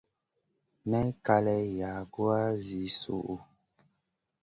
Nay kalèh yagoua zi suʼu.